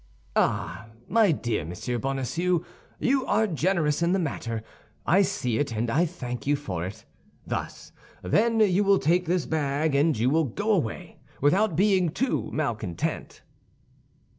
"Ah, my dear Monsieur Bonacieux, you are generous in this matter. I see it and I thank you for it. Thus, then, you will take this bag, and you will go away without being too malcontent."